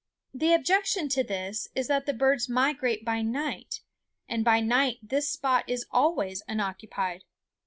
The objection to this is that the birds migrate by night, and by night this spot is always unoccupied.